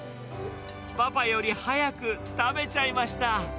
パパより早く食べちゃいました。